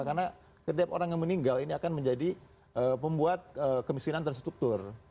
karena setiap orang yang meninggal ini akan menjadi pembuat kemiskinan terstruktur